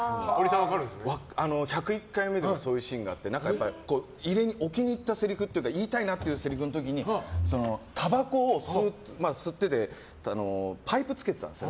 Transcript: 「１０１回目」でもそういうシーンがあって気に入ったせりふというか言いたいなというせりふの時にたばこを吸っててパイプ付けてたんです。